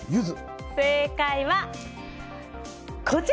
正解は、こちら！